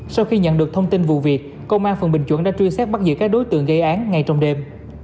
sau khi nhận được thông tin vụ việc công an phường bình chuẩn đã truy xét bắt giữ các đối tượng gây án ngay trong đêm